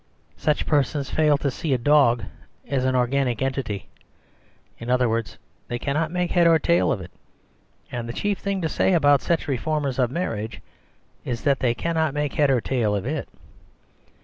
Such persons fail to see a dog as an organic entity; in other words, they cannot make head or tail of it. And the chief thing to say about such reformers of marriage is that they cannot make head or tail of it.